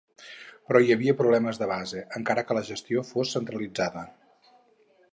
Però hi havia problemes de base, encara que la gestió fos centralitzada.